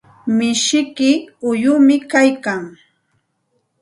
Mishiyki uyumi kaykan.